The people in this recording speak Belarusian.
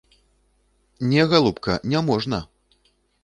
Не, галубка, не можна!